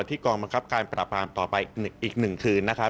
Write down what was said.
ที่กองบังคับการปราบรามต่อไปอีก๑คืน